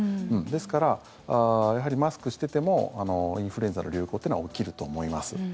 ですからやはり、マスクしててもインフルエンザの流行というのは起きると思います。